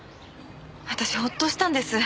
私ホッとしたんです。